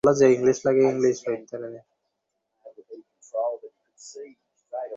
একটা ছবি দেখলে কেমন হয়?